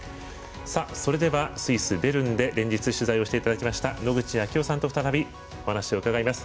それでは、スイス・ベルンで連日、取材をしていただきました野口啓代さんに再びお話を伺います。